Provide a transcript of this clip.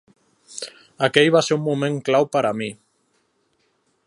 Aquell va ser un moment clau per a mi.